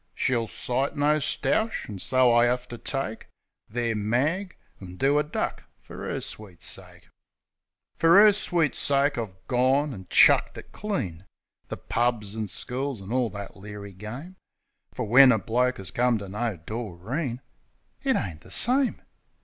She'll sight no stoush ; an' so I 'ave to take Their mag, an' do a duck fer 'er sweet sake. DOREEN 35 Fer 'er sweet sake I've gone and chucked it clean : The pubs and schools an' all that leery game. Fer when a bloke 'as come to know Doreen, It ain't the same.